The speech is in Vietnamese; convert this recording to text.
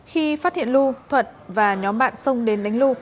khi phát hiện lu thuận và nhóm bạn xông đến đánh lu